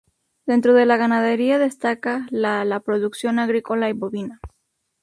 Dentro de la ganadería destaca la la producción agricola y bovina.